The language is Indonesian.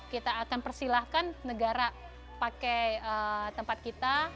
kita akan persilahkan negara pakai tempat kita